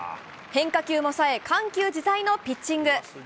変化球もさえ、緩急自在のピッチング。